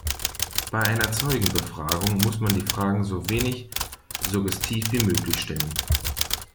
Bei einer Zeugenbefragung muss man die Fragen so wenig suggestiv wie möglich stellen.